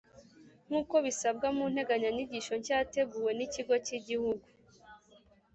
nk’uko bisabwa mu nteganyanyigisho nshya yateguwe n’Ikigo k’Igihugu